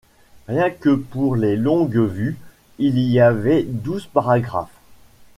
Rien que pour les longues-vues, il y avait douze paragraphes.